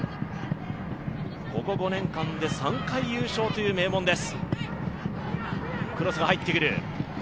ここ５年間で３回優勝という名門です。